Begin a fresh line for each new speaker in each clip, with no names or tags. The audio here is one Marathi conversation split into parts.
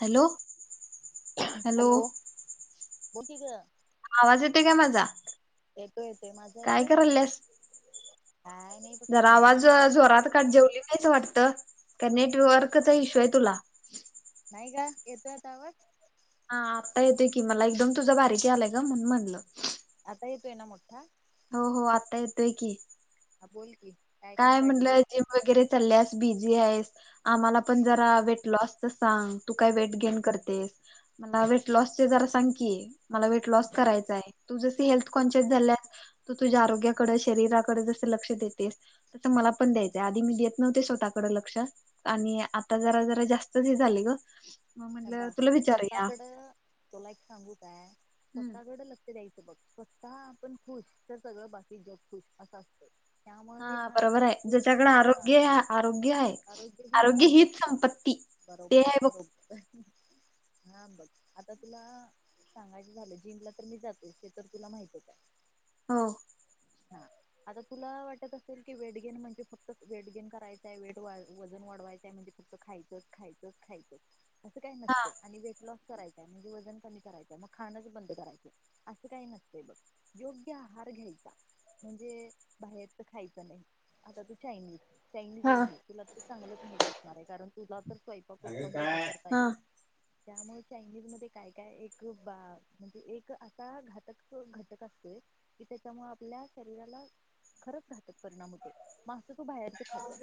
हॅलो,
हॅलो [inaudible] बोलतीचं
आवाज येते का माझा.
येतोय माझा
काय [inaudible]
येतोय
कराल लस
काय नाही बघ
जरा आवाज
निवांत
जोरात जेवली नाहीच वाटत, का नेटवर्कचा इश्यू आहे तुला.
नाही [inaudible] का येतोय [inaudible] तावात
हा आत्ता येतेय की, मला एकदम तुझं बारीककी आलाय ग [inaudible] म्हण म्हणलं.
आता येतोय [inaudible] आहे ना मोठा
हो हो आत्ता येतोय की.
हा बोल की. काम
काय म्हणलं
काढलीस
जिम वगैरे चाल्यास बिझी आहेस. आम्हाला पण जरा वेट लॉस. [inaudible] अस सांग तू काय वेट गेन करतेस. मला वेट लॉसचे जरा सांग की? मला वेट लॉस
बघ
करायचा आहे. तू जसशी हेल्थ कॉन्शियस झाल्यास, तू तुझ्या आरोग्याकड, शरीराकडे जस लक्ष देतेस. तर मला पण द्यायचंय आधी मी देत नव्हते स्वतःकडे लक्ष. आणि आता जरा जरा जास्तच हे झाले ग, मग
[inaudible]
म्हटलं
हदा
तुला विचारूया
स्वतःकड तुला एक [inaudible] सांगूतय
हम्म
स्वतःकडे ल द्यायचं बघ स्वतः आपण खुश तर सगळं बाकी जग खुश असा असतो.
हा बरोबर आहे. ज्याच्याकडे
हा
आरोग्य, आरोग्य आहे.
आरोग्य ही संपत्ती
ते
बरोबर,
आहे बघ
बरोबर. हा बघ, आता तुला. सांगायचे झालं [inaudible] जिंकला तर मी जाते ते तर तुला माहित आहे [inaudible] काय
हो,
हा आता तुला वाटत असेल की वेटगेन म्हणजे. फक्त वेटगेन करायचंय वे वजन वाढवायच म्हणजे, फक्त खायच [inaudible] खायंच खायचं असं काही नसते आणि व लॉस करायचाय म्हणजे. वजन कमी करायचं मग खाणंच बंद करायचंय असं काही नसत बघ. योग्य आहार [inaudible] घेयता म्हणजे बाहेरच खायचं नाही. आता तू चायनीज
हा
[unintelligible] तुला तर चांगलंच माहित असणार आहे, कारण तुला तर उत्तमरित्या करता
हा
येते. त्यामुळे चायनीज मध्ये काय काय एक बा म्हणजे एक असा घातक घटक असतोय. कि त्याच्यामुळे आपल्या शरीराला खरच घातक परिणाम होतोय. [unintelligible] बाहेरच खात्यात.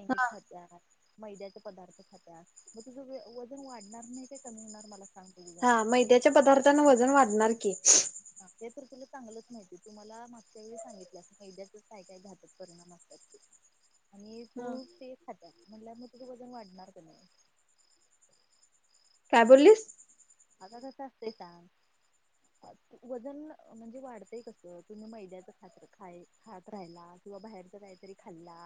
[unintelligible] मैद्याचे पदार्थ खात्यास, मग तुझं वजन वाढणार नाही ते कमी होणार मला सांग बघू जरा
हा, मैद्याच्या पदार्थांन वजन वाढणार की.
हा, ते तर तुला चांगलंच माहिती, तू मला मागच्या वेळी सांगितल्यास, मैद्याच काय काय घातक परिणाम आणि
हा.
तू तेच खात्यास म्हटल्यावर, मग तुझं वजन वाढणार का नाही?
काय बोललीस?
आता कसं असतंय सांग? वजन म्हणजे वाढतंय कसं? तुम्ही मैद्याचं खात खाय खात राहिला किंवा बाहेरच काहीतरी खाल्ला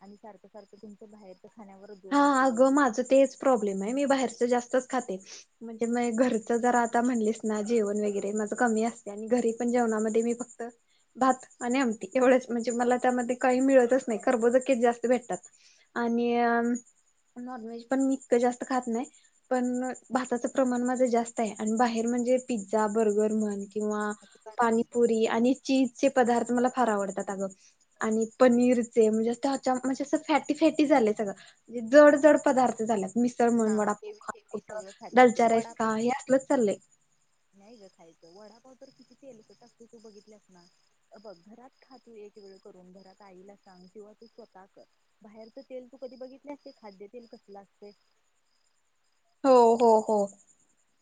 आणि सारखं सारखं तुमचं बाहेरच खाण्यावर जोर
हा,
असेल
अगं माझं तेच प्रॉब्लेम आहे, मी बाहेरच जास्तच खाते. म्हणजे मी घरचं जर आता म्हणलीस ना, जेवण वगैरे माझं कमी असते आणि घरी पण जेवणामध्ये मी फक्त भात आणि आमटी एवढंच. म्हणजे मला त्यामध्ये काही मिळतच नाही, कर्बोदकेच जास्त भेटतात. आणि नॉनव्हेज पण मी इतकं जास्त खात नाही पण भाताचं प्रमाण माझं जास्त आहे, आणि बाहेर म्हणजे पिझ्झा, बर्गर म्हण किंवा
असं का खायचं,
पाणीपुरी आणि चीजचे पदार्थ मला फार आवडतात अगं. आणि पनीरचे म्हणजे हच्या म्हणजे असं फॅटी फॅटी झालंय सगळं. म्हणजे जड जड पदार्थ झाल्यात, मिसळ म्हण,
हा
वडापाव
हेवी
खा,
हेवी
कुठं
सगळं खातात तो
दालच्या राईस
वडा
खा, हे असलंच चाललय.
नाही ग खायचं. वडापाव तर किती तेलकट असते तू बघितल्यास ना? बघ, घरात खा तू एक वेळ करून, घरात आईला सांग किंवा तू स्वतः कर. बाहेरच तेल तू कधी बघितल्या ते खाद्य तेल कसलं असतय?
हो हो हो.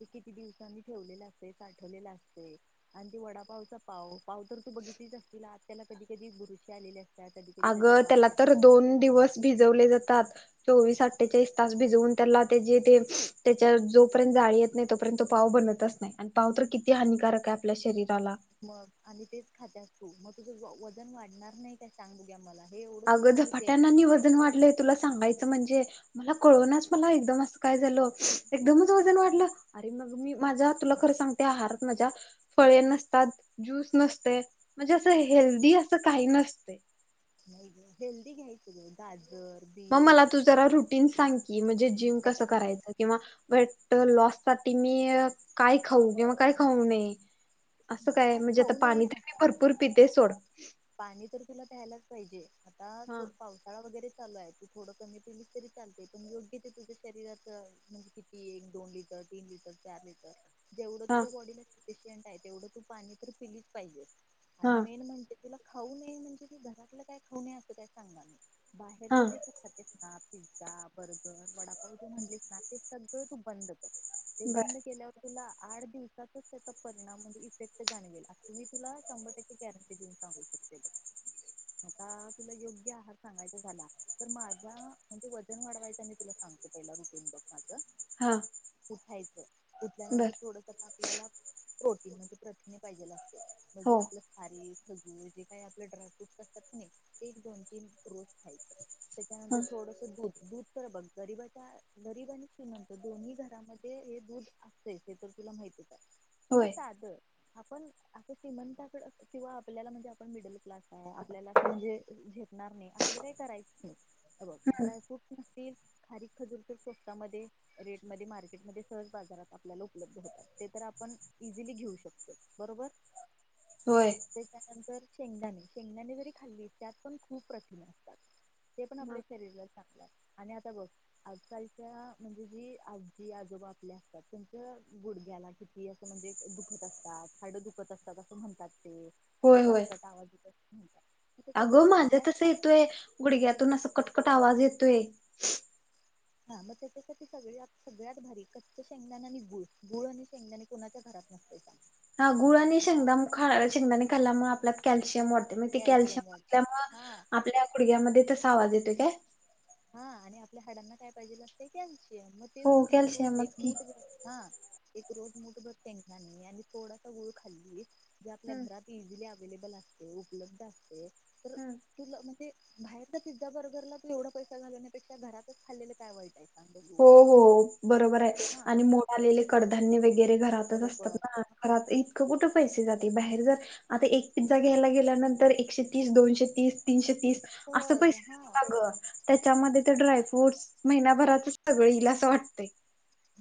ते किती दिवसांनी ठेवलेलं असतंय, साठवलेलं असतंय. आणि ते वडापावचा पाव. पाव तर तू बघितलीच असतील, आत त्याला कधी कधी बुरुशी आलेली अस कधी कधी त्याचा
अगं
वास
त्याला तर
येतो [unintelligible]
भिजवले जातात. चोवीस-अठ्ठेचाळीस तास भिजवून त्याला त्याचे ते त्याच्या जोपर्यंत जाळी नाही तोपर्यंत पाव बनतच नाही आणि पाव तर किती हानिकारक आहे, आपल्या शरीराला
मग आणि तेच खात्यास तू, मग तुझं वजन वाढणार नाही का? सांग बघूया मला. हे एवढं
अगं
तुला माहितीय.
झपाट्यान आणि वजन वाढलं तुला सांगायचं म्हणजे मला कळनाच मला एकदम असं काय झालं? एकदमच वजन वाढलं. अरे, मग मी माझ्या, तुला खरं सांगते आहारात माझ्या फळे नसतात, ज्यूस नसते म्हणजे असं हेल्दी असं काही नसतय.
नाही ग, हेल्दी घ्यायच ग, गाजर
मग मला
बीट
तु जरा रुटीन सांग की, म्हणजे जिम
हे
कसं
बघ
करायचं? किंवा वेट लॉस साठी मी काय खाऊ? किंवा काय खाऊ नये? असं
हे बघ,
काय म्हणजे आता
खाऊ
पाणी तर
नये
मी भरपूर पिते सोड.
पाणी तर तुला प्यायलाच पाहिज.
हा
आता पाव साळा वगैरे चालू आहे. तू थोड कमी पिली तरी चालते, पण योग्य ते तुझ्या शरीराच्या म्हणजे ही एक-दोन लिटर, तीन लिटर, चार लिटर जेवढं
हा
तुझ्या बॉडीला सफिशियंट आहे तेवढं तू पाणी तर पिलीच पाहिजे,
हा
आणि मेन म्हणजे तुला खाऊ नये म्हणजे ते घरातलं काय खाऊ नये असं काय सांगणार नाही
हा
बाहेरच जे तु खातेस ना पिझ्झा, बर्गर, वडापाव जे म्हणलीस ना ते सगळं तू बंद कर. ते
बर
बंद केल्या तुला आठ दिवसातच त्याचा परिणाम म्हणजे इफेक्ट जाणवेल असं मी तुला शंभर टक्के गॅरंटी देऊन सांगू शक ते बघ आता तुला योग्य आहार सांगायचा झाला तर माझा म्हणजे वजन वाढवायचा मी तुला सांगते पहिला रुटीन बघ माझं
हा
उठायचं.
बर
उठल्यानंतर थोडस तर आपल्याला प्रोटीन म्हणजे प्रथिने पाहिजेल असतय म्हणजे
हो
आपलं खारीक, खजूर काही आपले ड्रायफ्रूटस असतात की नाही ते एक दोन तीन रोज खायचं त्याच्यानंतर
ह
थोडंस दूध दूध. तर बघ गरीबाच्या गरीब आणि श्रीमतो दोन्ही घरामध्ये हे दूध. हे तर तुला माहितीच आहे. म्हणजे
होय
साध आपण आप श्रीमंताकड किंवा आपल्याला म्हणजे. पण मिडल क्लास आहे आपल्याला म्हणजे झेपणार नाही आपल्या काही करायचं नाही. अ बघ
हम्म
ड्रायफ्रूट नसतील खारी खजूरच्या पेस्टा मध्ये. रेटमध्ये मार्केटमध्ये सहज बाजारात आपल्याला उपलब्ध होतात, ते तर आपण इझिली घेऊ शकतो. बरोबर
होय.
त्यानंतर शेंगदाणे शेंगदाणे जरी खाल्ली त्यात पण खूप प्रथिमा असतात. ते पण आपल्या शरीरला चांगलं आणि आता बघ. आजकालच्या म्हणजे जी आजी आजोबा आपले असतात त्यांच्या गुडघ्याला कि. ही असं म्हणजे दुखत असतात खाडं दुखत असतात असं म्हणतात ते. असं
होय होय
कटकट आवाज येतत.
अगं माझं तसं येतोय गुडघ्यातून अस
हा
कटकट आवाज येतोय.
हा मग त्याच्यासाठी सगळ्या सगळ्यात भारी कच्च शेंगदान आणि गूळ गूळ आणि शेंगदाणे. कुणाच्या घरात नसते का.
हा गुळानी शेंगदा मग खाला शेंगदा नाही खाला मग आपल्या. कॅल्शियम वाढते मग ते कॅल्शियम
वाढतं.
वाल्यामुळे
हा
आपल्या गुडग्यामध्ये तसा आवाज येतो काय.
हा आणि आपल्या हाडांना काय पाहिजे असते कॅल्शियम मग ते
हो
तू जर रोज एक
कॅल्शियमच की.
मुठ हा. एक रोज मोठभर शेंगदाणे आणि थोडासा गुळ खाल्ली जे आपल्या
हम्म
घरात. इझिली अवेलेबल असते उपलब्ध असते तर.
हम्म.
तुला म्हणजे बाहेर पिझ्झा बर्गरला तू एवढा पैसा घालण्यापेक्षा घरातच खाल्लेले काय वाटय.
हो हो बरोबर आहे
हा
आणि मोड आलेले कडधान्य वगैरे घ. जात असतात
बरोबर
ना
हा
घरात इतकं कुठं पैसे जाते बाहेर जर. आता एक पिझ्झा घ्यायला गेल्यानंतर एकशे तीस दोनशे तीस तीनशे तीस. असं
सहज
पैसे
हा
देतो ना ग. त्याच्यामध्ये ड्राय फ्रूटस महिनाभराच सगळ इईल अस वाटते.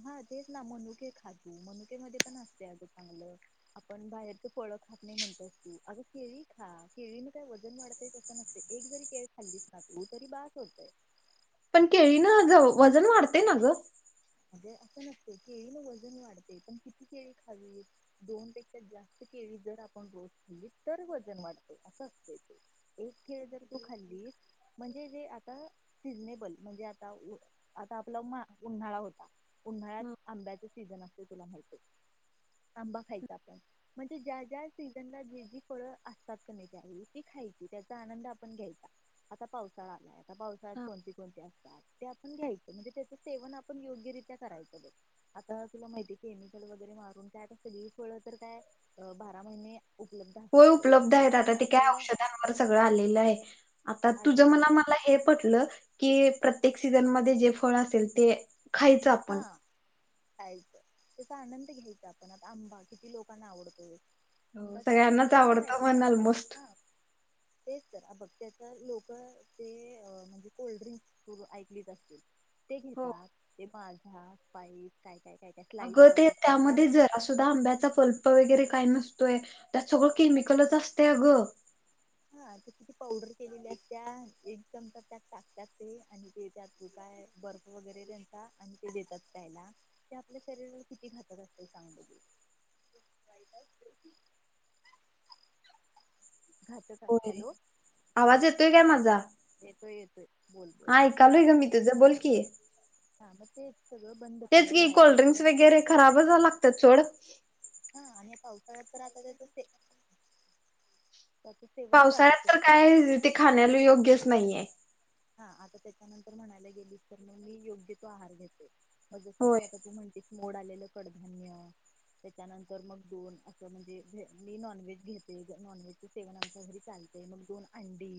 हा तेच ना मनुके खा तु मनुके मध्ये पण असते अज चांगलं. आपण बाहेरच पळ खात नाही म्हणत असतू आग केळी खा केळीने काय वजन वाढत. ते कसं नसते एक जरी केळ खाल्लीच ना तू तरी बास होतय.
पण केळीन वजन वाढते ना ग.
म्हणजे असं नसते केळीला वजन वाढते पण किती केळी खावी. दोन पेक्षा जास्त केळी जर आपण रोज केली तर वजन वाढत असं असतंय ते. एक केळ, जर तू खाल्ली म्हणजे जे आता, सिझनेबल, म्हणजे आता, उ-आता आपला, उन्हाळा होत उन्हाळ्यात
हा
आंब्याचे सीझन असते, तुला माहीती, आंबा खायचा आपण म्हणजे ज्या ज्या सीझनला, जे जी फळं असतात, क् नाई, त्यां वेळी, ती खायची, त्याचा आनंद आपण घ्यायचा. आता पावसाळा आलाय, आता पावसाळ्यात
हा
कोणती- कोणते असतात, ते आपण घ्यायचं, म्हणजे त्याचं सेवन आपण यो ग्य रित्या करायचं. आता तुला माहितीय, केमिकल वगैरे मारून, काय आता सगळी फळ, तर काय, बारा महिने उपलब्ध आ
होय उपलब्ध आहेत आता, ते काय, औषधांवर सगळं आलेलं आहे. आता तुझ म्हण
आलेलंच आहे
मला, हे पटलं, की प्रत्येक सीझनमध्ये, जे फळ असेल ते खायचं
हा.
आपण
खायचं, त्याचा आनंद घ्यायचा आपण, आता आंबा, किती लोकांना आवडतोय? अंब्याच आता,
सगळ्यांनाच
सेवन करायच,
आवडतं म्हण
त्यावेळी
ऑलमोस्ट
हा तेच, तर [unintelligible] बघ त्याचा लोकं, ते म्हणजे कोल्ड्रिंक् र ऐकलीच असते, ते
हो
घेतात, ते माझा, पाईस काय- काय काय
अग,
स्लाईस
ते
सॉरी त्या
त्यामध्ये, जरासुद्धा आंब्याचा पल्प वगैरे, काय नसतोय, त्यात सगळं केमिकलच असतय अ गं.
हां, ते किती पावडर केलेली असत्या, एक चमचा त्यात टाकत्यात, ते आणि ते त्यातून काय बर्फ वगैरे देतात आणि ते देतात प्यायला, ते आपल्या शरीरवर किती घातक असतय, सांग बघू [inaudible] खाल्लं का?
होय
हॅलो? हा,
आवाज येतोय काय
येतोय-येतोय.
आयकालू ग, मी तुझं बोल की
हा मग सगळं बंद
तेच
कर
कि,
बाहेरच
कोल्ड्रिंक्स वगैरे, खराबच [unintelligible] सोड.
हा आणि पावसाळ्यात, तर आता, त ते
पावसाळ्यात,
करायचंच
तर काय ते खाण्याला, योग्यच नाहीये.
हा, आता त्याच्यानंतर म्हणायला गेलीस, तर मग मी योग्य तो आहार घेतो, मग जस की
होय
आता, तू म्हण एक मोड आलेलं, कडधान्य त्याच्यानंतर मग दोन असं, म्हणजे मी नॉनव्हेज घेते, नॉनव्हेज सेवन आमच्या घरी चालतय, मग दोन अंडी,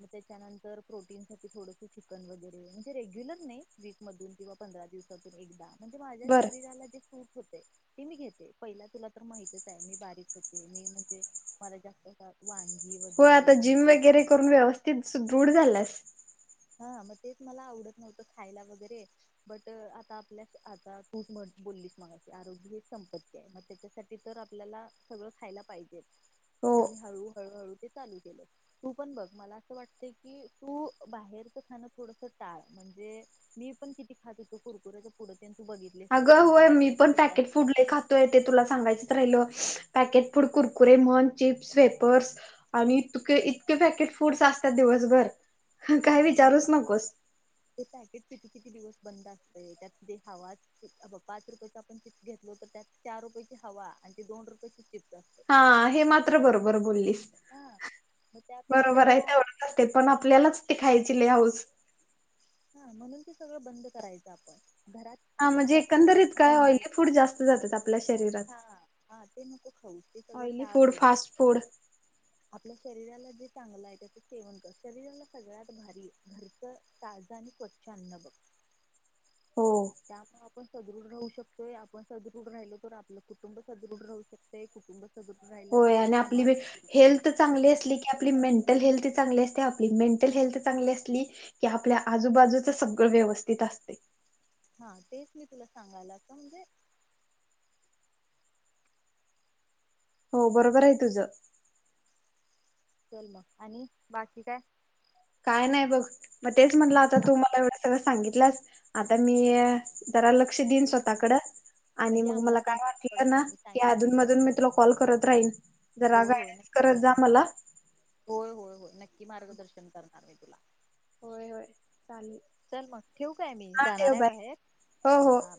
मग त्याच्यानंतर तर प्रोटीनसाठी, थोडंसं चिकन वगैरे, म्हणजे रेग्युलर नही, वीकमधून किंवा पंधरा दिवसातून एकदा. म्हणजे माझ्या
बरं
शरीराला, जे सूट होते. ती मी घेते, पहिला तुला तर माहतीच आहे, मी बारीक होते, मी म्हणजे मला जास्त वांगी वगैरे, मेथी गवारी
तेच, सुदृढ झाल्यास
हां, म तेच, मला आवडत नव्हतं, खायला वगैरे. बट आता आपल्या, आता तूच बोललीस मगाशी, आरोग्य हीच संपत्ती. मग त्याच्यासाठी, तर आपल्याला, सगळं खायला पाहिजे.
[inaudible]
म मी, हळू-हळूहळू ते चालते, तू पण बघ, मला असं वाटत की, तू बाहेरचं खाणं, थोडसं टाळ, म्हणजे मी पण किती खाते, हो कुरकुऱ्याच्या पुड तू बघितलीईस येस, माझ्या बॅग मध्ये, किती असतात.
अय, तेे तुला सांगायच राहिल, पॅकेट फूड, कुरकुरे म्हन चिप्स, वेपर्स आणि इतके -इतके पॅकेट फूड्स असतात, दिवसभर काय विचारूच नकोस.
हे पॅकेट किती-किती दिवस बंद असतय, त्यात ते हवा आपण पाच रुपयाच, आपण चिप्स घेतलो, तर त्यात चार रुपयाची हवा आणि ते दोन रुपयाची चिप्स असते
हा, हे मात्र बरोबर बोललीस.
हा मग त्यापेक्षा
बरोबर आहे
हा
त्यावर. ते पण आपल्यालाच, ते खायची लई हाऊस.
हा, म्हणून ते सगळं बंद करायचं आपण. घरात
हा,
अगं
म्हणजे
घरात करतात
एकंदरीत
ना
काय
उन्हाळी
ऑइली फूड
बाप
जास्त जातेत आपल्या शरीरात.
हा हा ते नको खाऊ ते सगळं
ऑइली
टाळ
फूड,
सोडत
फास्ट फूड.
आपल्या शरीराला जे चांगलं आहे, त्याचं सेवन कर. शरीराला सगळ्यात भारी घरचं ताजं आणि स्वच्छ अन्न बघ.
हो.
त्यामुळे आपण सदृढ राहू शकतोय. आपण सदृढ राहिलो, तर आपलं कुटुंब सदृढ राहू शक ते, कुटुंब सदृढ राहिलं तर
होय
आपला
आणि आपली
समाज
वे-
सदृढ राहू
हेल्थ
शकतोय.
चांगली की आपली मेंटल हेल्थ चांगली असते, आपली मेंटल हेल्थ चांगली असली की आपल्या आजूबाजूचं सगळं व्यवस्थित असते.
हा, तेच मी तुला सांगायला आता म्हणजे
हो, बरोबर आहे तुझं.
चल मग आणि बाकी काय?
काय नाही बघ. मग तेच म्हटलं आता तू मला एवढं सगळं सांगितलंस, आता मी जरा लक्ष देईन स्वतःकडे. आणि
कधी
मग मला
अंमलात
काय
आणतेस बघ
वाटलं ना,
आता मी
की अधून
सांगितलेलं
मधून मी तुला कॉल करत राहीन. जरा
होय होय
गाईडन्स
नक्की
करत
कर
जा मला.
नक्की होय होय होय. नक्की मार्गदर्शन करणार मी तुला.
होय होय, चालेल.
चल मग, ठेवू काय मी?
हा
जाणार
ठेव
आहे
बाय
बाहेर.
हो हो
हां.